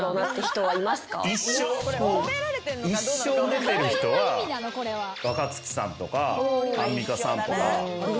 一生出てる人は若槻さんとかアンミカさんとか。